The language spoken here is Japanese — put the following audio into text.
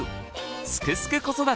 「すくすく子育て」